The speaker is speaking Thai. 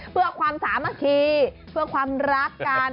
เพื่อความสามัคคีเพื่อความรักกัน